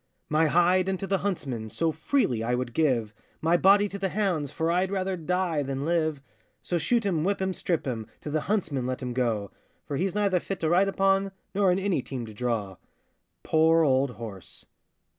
My hide unto the huntsman So freely I would give, My body to the hounds, For I'd rather die than live: So shoot him, whip him, strip him, To the huntsman let him go; For he's neither fit to ride upon, Nor in any team to draw. Poor old horse!